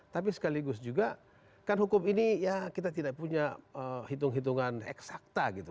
tapi sekaligus juga kan hukum ini ya kita tidak punya hitung hitungan eksakta gitu